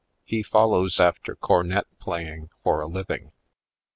He follows after cornet playing for a living.